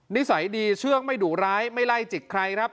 นิสัยดีเชื่องไม่ดุร้ายไม่ไล่จิกใครครับ